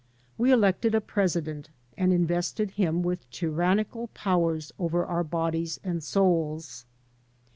We elected a president and invested him with tyrannical powers over our bodies and souls.